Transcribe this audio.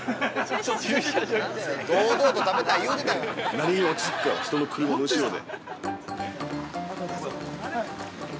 ◆何げに、落ちつくから人の車の後ろで。